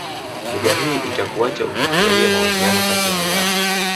Mbuga hii itakuacha ukifurahia mahusiano kati ya wanyama